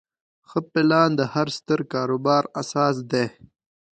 ښه پلان د هر ستر کاروبار اساس دی.